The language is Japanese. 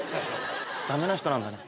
ダメな人なんだね。